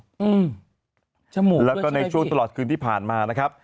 ชมูกเบื้อชมัยพิษีแล้วก็ในช่วงตลอดคืนที่ผ่านมานะครับ